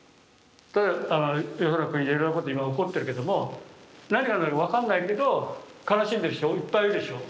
世の中いろいろなこと今起こってるけども何が何だか分かんないけど悲しんでる人いっぱいいるでしょ。